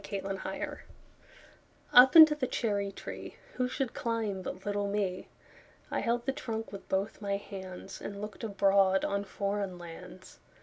Foreign Lands UP into the cherry treeWho should climb but little me?I held the trunk with both my handsAnd looked abroad on foreign lands.